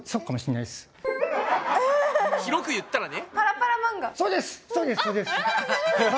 広く言ったらね。